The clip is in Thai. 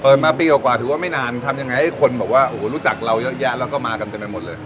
มาปีกว่าถือว่าไม่นานทำยังไงให้คนบอกว่าโอ้โหรู้จักเราเยอะแยะแล้วก็มากันเต็มไปหมดเลย